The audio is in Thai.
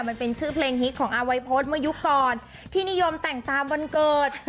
มันเป็นชื่อเพลงฮิตของอาวัยพจน์เมื่อยุคก่อนที่นิยมแต่งตามวันเกิด